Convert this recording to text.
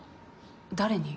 誰に？